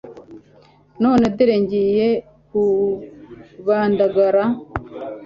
None dore ngiye kubandagara